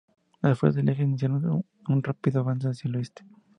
Las fuerzas del Eje iniciaron un rápido avance hacia el este.